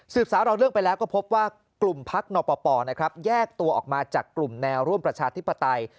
สาวเราเรื่องไปแล้วก็พบว่ากลุ่มพักนปปแยกตัวออกมาจากกลุ่มแนวร่วมประชาธิปไตย